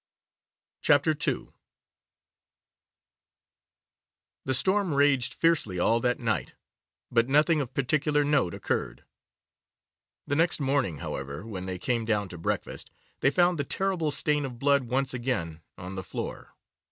CHAPTER II THE storm raged fiercely all that night, but nothing of particular note occurred. The next morning, however, when they came down to breakfast, they found the terrible stain of blood once again on the floor.